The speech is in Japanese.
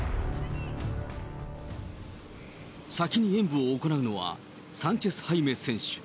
先に演舞を行うのは、サンチェスハイメ選手。